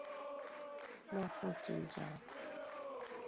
莫负今朝！